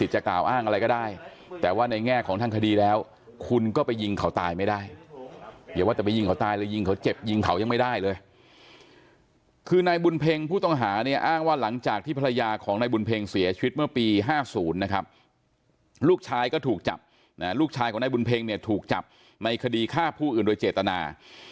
อย่าว่าจะไปยิงเขาตายเลยยิงเขาเจ็บยิงเขายังไม่ได้เลยคือนายบุญเพงผู้ต้องหาเนี่ยอ้างว่าหลังจากที่ภรรยาของนายบุญเพงเสียชีวิตเมื่อปี๕๐นะครับลูกชายก็ถูกจับลูกชายของนายบุญเพงเนี่ยถูกจับในคดีฆ่าผู้อื่นโดยเจตนา